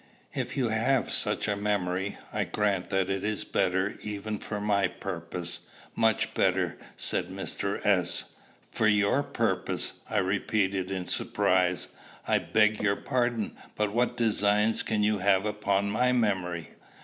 "If you have such a memory, I grant that is better, even for my purpose, much better," said Mr. S. "For your purpose!" I repeated, in surprise. "I beg your pardon; but what designs can you have upon my memory?"